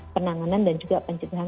penanganan dan juga pencerahan